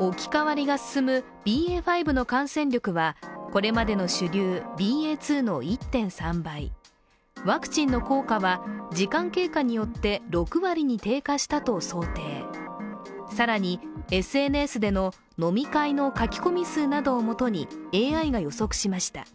置き換わりが進むＢＡ．５の感染力は、これまでの主流ＢＡ．２の１．３倍、ワクチンの効果は時間経過によって６割に低下したと想定さらに、ＳＮＳでの飲み会の書き込み数などをもとにＡＩが予測しました。